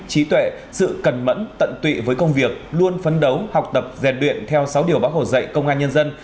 trí tuệ sự cẩn mẫn tận tụy với công việc luôn phấn đấu học tập rèn luyện theo sáu điều bác hồ dạy công an nhân dân